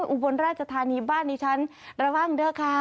อุบลราชธานีบ้านดิฉันระวังเด้อค่ะ